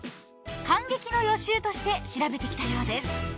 ［観劇の予習として調べてきたようです］